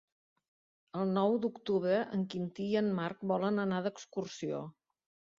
El nou d'octubre en Quintí i en Marc volen anar d'excursió.